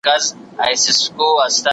په قوانینو کي بدلون راځي.